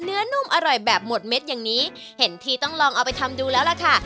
นุ่มอร่อยแบบหมดเม็ดอย่างนี้เห็นที่ต้องลองเอาไปทำดูแล้วล่ะค่ะ